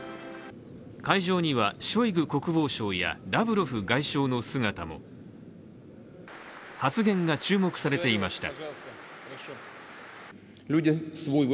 会場にはショイグ国防相やラブロフ外相の姿も発言が注目されていました。